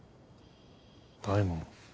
大門。